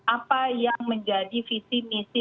apa yang menjadi visi misi